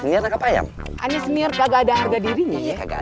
ini senior kagak ada harga dirinya